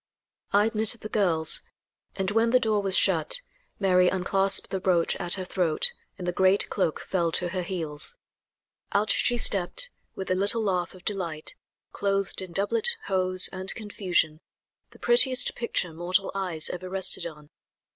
I admitted the girls, and when the door was shut Mary unclasped the brooch at her throat and the great cloak fell to her heels. Out she stepped, with a little laugh of delight, clothed in doublet, hose and confusion, the prettiest picture mortal eyes ever rested on.